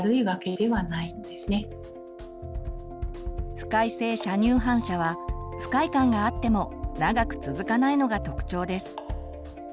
不快性射乳反射は不快感があっても長く続かないのが特徴です。